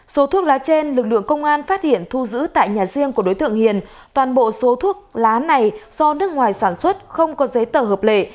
số thuốc lá trên lực lượng công an phát hiện thu giữ tại nhà riêng của đối tượng hiền toàn bộ số thuốc lá này do nước ngoài sản xuất không có giấy tờ hợp lệ